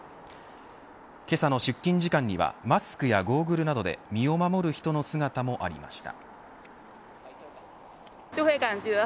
けさの出勤時間にはマスクやゴーグルなどで身を守る人の姿もありました。